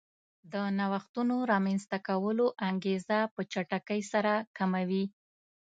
د نوښتونو رامنځته کولو انګېزه په چټکۍ سره کموي